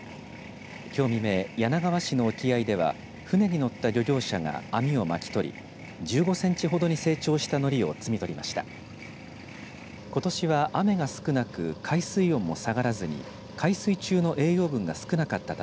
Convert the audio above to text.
きょう未明、柳川市の沖合では船に乗った漁業者が網を巻き取り１５センチほどに成長したのりを摘み取りました。